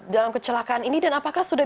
dalam kecelakaan ini dan apakah sudah